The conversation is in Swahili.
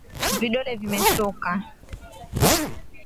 Vidole vimechoka.